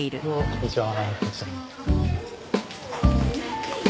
こんにちは。